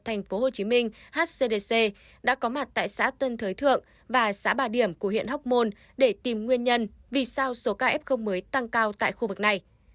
tp hcm hcdc đã có mặt tại xã tân thới thượng và xã bà điểm của huyện hóc môn để tìm nguyên nhân vì sao số ca f mới tăng cao tại khu vực này